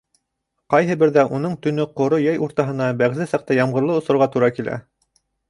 Ҡайһы берҙә уның төнө ҡоро йәй уртаһына, бәғзе саҡта ямғырлы осорға тура килә.